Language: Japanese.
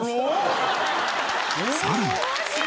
さらに。